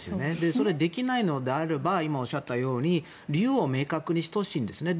それができないのなら今、おっしゃったように理由を明確にしてほしいんですね。